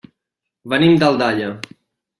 Venim d'Aldaia.